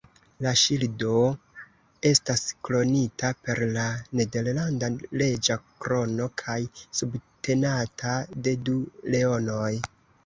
La ŝildo estas kronita per la nederlanda reĝa krono kaj subtenata de du leonoj.